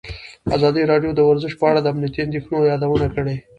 ازادي راډیو د ورزش په اړه د امنیتي اندېښنو یادونه کړې.